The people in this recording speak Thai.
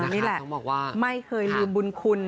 นี่แหละไม่เคยลืมบุญคุณ